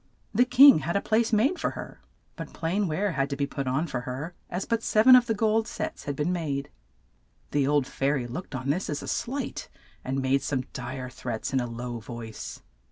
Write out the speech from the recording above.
The king had a place made for her, but plain ware had to be put on for her, as but sev en of the gold sets had been made. The old fai ry looked on this as a slight, and made some dire threats in a low voice.